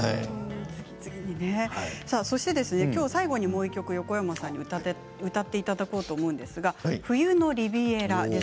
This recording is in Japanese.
最後にもう１曲横山さんに歌っていただこうと思うんですが「冬のリヴィエラ」です。